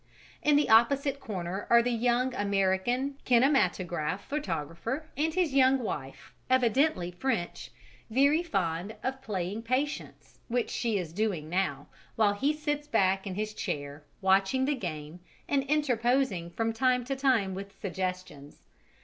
In the opposite corner are the young American kinematograph photographer and his young wife, evidently French, very fond of playing patience, which she is doing now, while he sits back in his chair watching the game and interposing from time to time with suggestions.